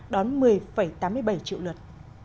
đón một mươi tám mươi bảy triệu lượt